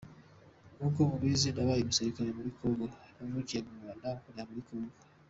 Nk’uko mubizi, nabaye umusirikare muri Congo, navukiye mu Rwanda nkurira muri Congo.